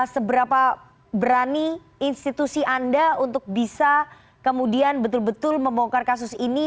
seberapa berani institusi anda untuk bisa kemudian betul betul membongkar kasus ini